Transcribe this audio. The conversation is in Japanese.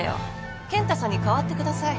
健太さんに代わってください。